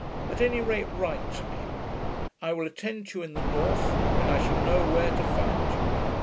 At any rate write to me. I will attend you in the north, when I shall know where to find you.